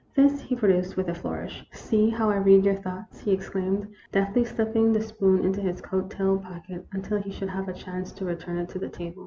This he produced, with a flourish. " See how I read your thoughts !" he exclaimed, deftly slipping the spoon into his coat tail pocket, until he should have a chance to return it to the table.